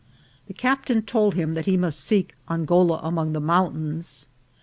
The captain told him that he must seek An goula among the mountains.